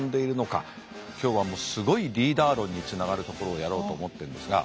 今日はすごいリーダー論につながるところをやろうと思ってるんですが。